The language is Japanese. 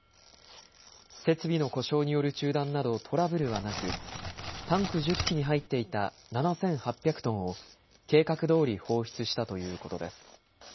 設備の故障による中断などトラブルはなく、タンク１０基に入っていた７８００トンを計画どおり放出したということです。